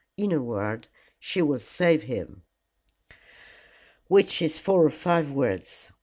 In a word, she will save him." "Which is four or five words.